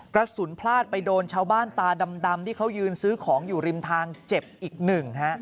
กระสุนพลาดไปโดนชาวบ้านตาดำที่เขายืนซื้อของอยู่ริมทางเจ็บอีกหนึ่งฮะ